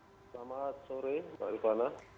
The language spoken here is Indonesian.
selamat sore pak ivana